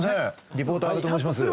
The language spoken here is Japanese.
リポーターの阿部と申します。